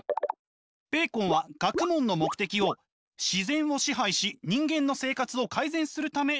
ベーコンは学問の目的を自然を支配し人間の生活を改善するためと考えていました。